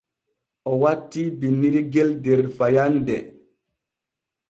O wattii binnirgel der fayande.